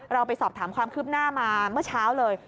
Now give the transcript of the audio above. เราไปสอบถามความคืบหน้ามาเมื่อเช้าเลย